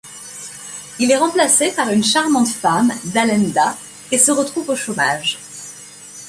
Il est remplacé par une charmante femme, Dalenda, et se retrouve au chômage.